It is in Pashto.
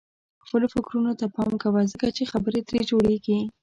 خپلو فکرونو ته پام کوه ځکه چې خبرې ترې جوړيږي.